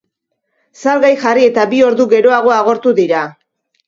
Salgai jarri eta bi ordu geroago agortu dira.